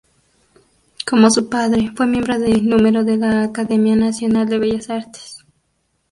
Como su padre, fue miembro de número de la Academia Nacional de Bellas Artes.